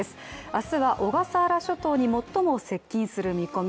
明日は小笠原諸島に最も接近する見込み。